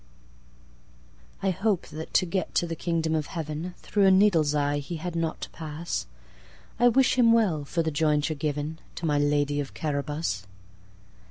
I hope that, to get to the kingdom of heaven, Through a needle's eye he had not to pass.I wish him well, for the jointure givenTo my lady of Carabas.